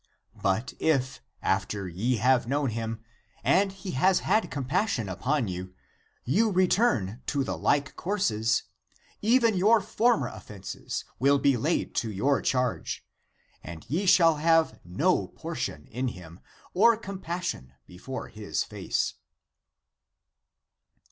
But if, after ye have known him, and he has had compas sion upon you, you return to the like courses, even your former offenses will be laid to your charge, and ye shall have no portion in him, or compassion before his face."